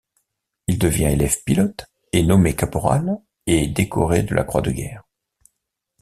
Il devient élève pilote, est nommé caporal et décoré de la Croix de guerre.